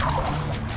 kepala kepala kepala